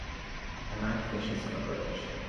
A man fishes on a bridge.